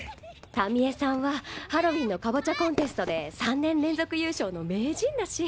タミ江さんはハロウィンのカボチャコンテストで３年連続優勝の名人だし。